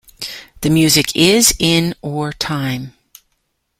The music is in or time.